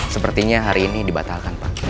sepertinya hari ini dibatalkan pak